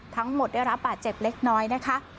ทั้งหมดได้รับบาดเจ็บเล็กน้อยนะคะ